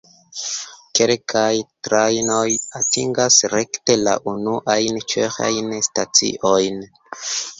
Kelkaj trajnoj atingas rekte la unuajn ĉeĥajn staciojn.